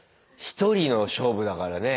１人の勝負だからね。